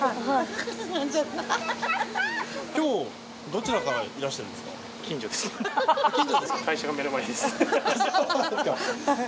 今日どちらからいらしてるんですか？